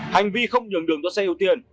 hành vi không nhường đường cho xe ưu tiên